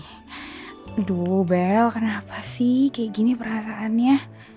aduh bel kenapa sih kayak gini perasaannya